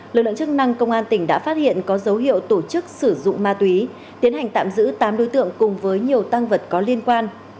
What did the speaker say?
lực lượng chức năng công an tỉnh đã phát hiện có dấu hiệu tổ chức sử dụng ma túy tiến hành tạm giữ tám đối tượng cùng với nhiều tăng vật có liên quan